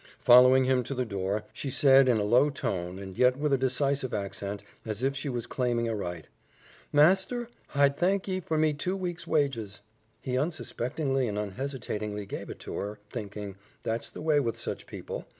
Following him to the door, she said in a low tone and yet with a decisive accent, as if she was claiming a right, "Master, hi'd thank ye for me two weeks' wages." He unsuspectingly and unhesitatingly gave it to her, thinking, "That's the way with such people.